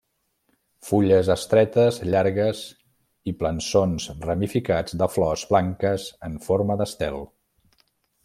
Fulles estretes, llargues i plançons ramificats de flors blanques en forma d'estel.